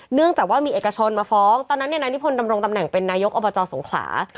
เนื่องจากว่ามีเอกชนมาฟ้องตอนนั้นเนี่ยนายนิพนธำรงตำแหน่งเป็นนายกอบจสงขลา